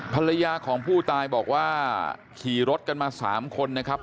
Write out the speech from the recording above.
ภรรยาของผู้ตายบอกว่าขี่รถกันมา๓คนนะครับ